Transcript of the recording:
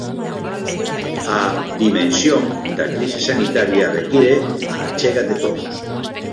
A "dimensión" da crise sanitaria require "a achega de todos".